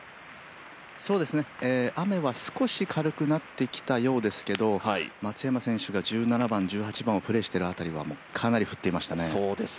雨は少し軽くなってきたようですけど、松山選手が１７番、１８番をプレーしている辺りはもうかなり降っていましたね。